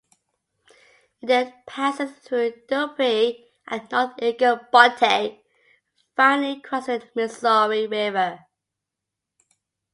It then passes through Dupree and North Eagle Butte, finally crossing the Missouri River.